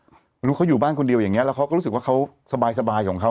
รู้เขาอยู่บ้านคนเดียวอย่างนี้แล้วเขาก็รู้สึกว่าเขาสบายของเขา